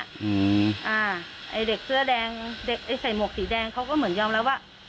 อืมอ่าไอ้เด็กเสื้อแดงเด็กไอ้ใส่หมวกสีแดงเขาก็เหมือนยอมรับว่า